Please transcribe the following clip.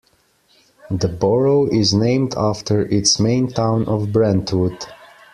The borough is named after its main town of Brentwood.